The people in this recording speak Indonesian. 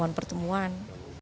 tidak ada pertemuan